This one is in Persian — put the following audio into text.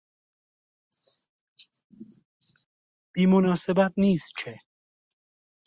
بی مناسبت نیست که